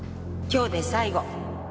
今日で最後。